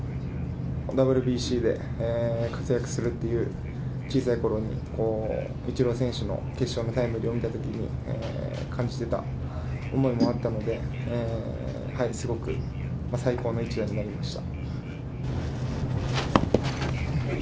ＷＢＣで活躍するっていう、小さいころにイチロー選手の決勝タイムリーを見たときに感じてた思いもあったので、すごく最高の一打になりました。